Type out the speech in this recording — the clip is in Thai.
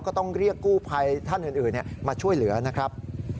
ก็ต้องเรียกกู้ภัยท่านอื่นมาช่วยเหลือนะครับ